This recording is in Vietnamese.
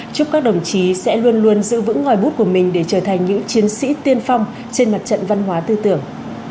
chúc các đồng chí sẽ luôn luôn giữ vững ngòi bút của mình để trở thành những chiến sĩ tiên phong trên mặt trận văn hóa tư tưởng